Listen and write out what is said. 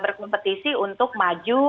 berkompetisi untuk maju